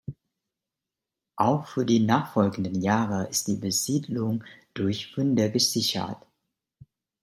Auch für die nachfolgenden Jahre ist die Besiedlung durch Funde gesichert.